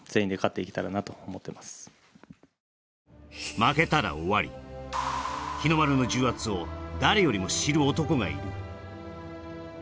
負けたら終わり、日の丸の重圧を誰よりも知る男がいる。